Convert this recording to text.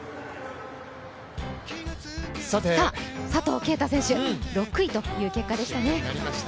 佐藤圭汰選手、６位という結果でしたね。